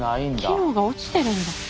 機能が落ちてるんだ。